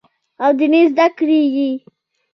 او ديني زدکړې ئې